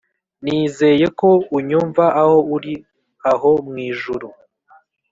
nizeye ko, unyumwa aho uri aho mwijuru